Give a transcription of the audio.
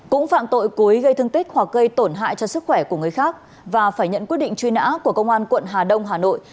cũng phạm tội cố ý gây thương tích hoặc gây tổn hại cho sức khỏe của người khác và phải nhận quyết định truy nã của công an quận hà đông hà nội